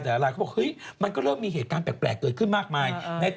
แต่หลายคนเขาบอกเฮ้ยมันก็เริ่มมีเหตุการณ์แปลกเกิดขึ้นมากมาย